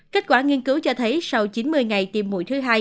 kết quả nghiên cứu cho thấy sau chín mươi ngày tiêm mũi thứ hai